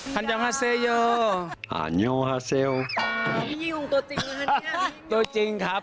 ตัวจริงครับตัวจริงครับ